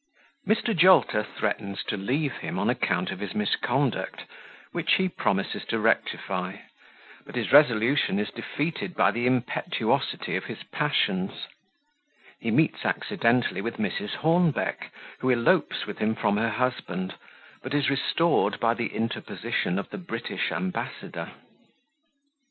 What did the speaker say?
Mr. Jolter threatens to leave him on account of his Misconduct, which he promises to rectify; but his Resolution is defeated by the Impetuosity of his Passions He meets accidentally with Mrs. Hornbeck, who elopes with him from her Husband, but is restored by the Interposition of the British Ambassador.